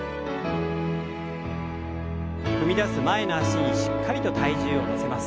踏み出す前の脚にしっかりと体重を乗せます。